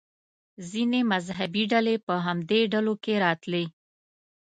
ځینې مذهبي ډلې په همدې ډلو کې راتلې.